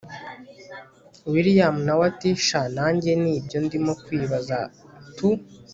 william nawe ati sha nanjye nibyo ndimo kwibaza tu